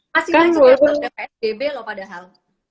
masih kan suka ke psbb loh padahal